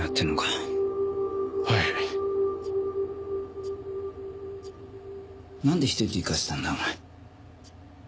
なんで１人で行かせたんだお前。